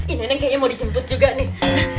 ih neneng kayaknya mau dijemput juga nih